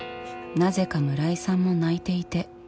なぜか村井さんも泣いていて。